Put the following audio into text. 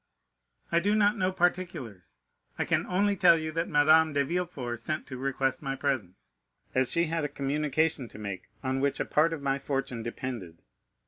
"I do not know particulars. I can only tell you that Madame de Villefort sent to request my presence, as she had a communication to make on which a part of my fortune depended.